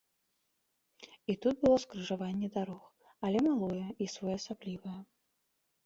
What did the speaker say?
І тут было скрыжаванне дарог, але малое і своеасаблівае.